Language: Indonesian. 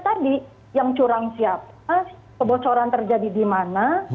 tadi yang curang siapa kebocoran terjadi di mana